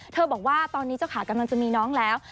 บอกว่าตอนนี้เจ้าขากำลังจะมีน้องแล้ว